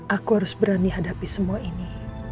aku harus berani hadapi semua ini